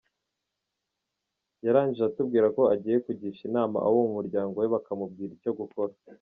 Yarangije atubwira ko agiye kugisha inama abo mu muryango we bakamubwira icyo gukora.